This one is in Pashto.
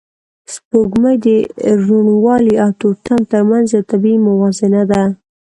سپوږمۍ د روڼوالی او تورتم تر منځ یو طبیعي موازنه ده